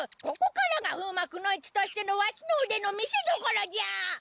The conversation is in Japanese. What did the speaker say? ここからが風魔くの一としてのワシのうでの見せどころじゃ！